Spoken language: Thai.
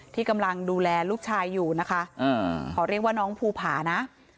ที่กำลังดูแลลูกชายอยู่นะคะขอเรียกว่าน้องภูผานะ